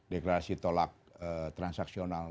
deklarasi tolak transaksional